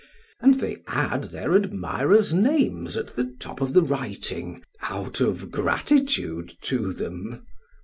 And they add their admirers' names at the top of the writing, out of gratitude to them.